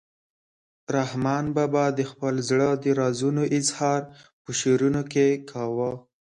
رحمان بابا د خپل زړه د رازونو اظهار په شعرونو کې کاوه.